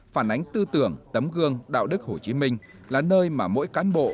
phản ánh tư tưởng tấm gương đạo đức hồ chí minh là nơi mà mỗi cán bộ